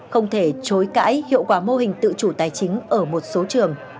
không thể chối cãi hiệu quả mô hình tự chủ tài chính ở một số trường